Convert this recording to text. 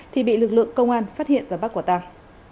thì bị lực lượng công an phát hiện và bắt quả tàng